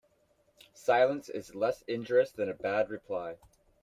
Silence is less injurious than a bad reply.